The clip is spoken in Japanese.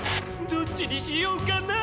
「どっちにしようかな」。